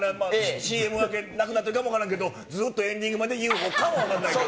ＣＭ明け、なくなってるかも分からんけど、エンディングまでＵＦＯかも分からんけど。